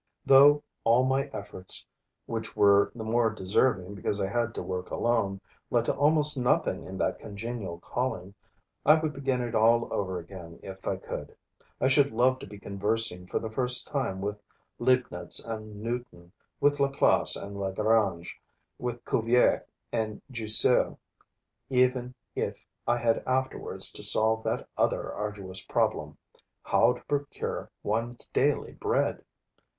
Though all my efforts, which were the more deserving because I had to work alone, led to almost nothing in that congenial calling, I would begin it all over again if I could. I should love to be conversing for the first time with Leibnitz and Newton, with Laplace and Lagrange, with Cuvier and Jussieu, even if I had afterwards to solve that other arduous problem: how to procure one's daily bread.